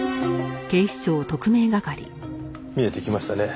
見えてきましたね。